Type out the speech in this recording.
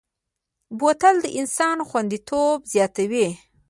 بوتل د انسان خوندیتوب زیاتوي.